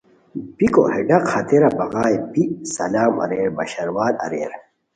بیکو ہے ڈاق ہتیرا بغائے بی سلام اریر بشاروال اریر